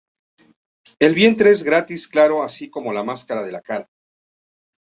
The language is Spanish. El vientre es gris claro así como la máscara de la cara.